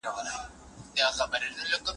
د شیدو ورکولو پر مهال نظافت مراعات کړئ.